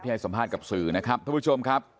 ให้สัมภาษณ์กับสื่อนะครับท่านผู้ชมครับ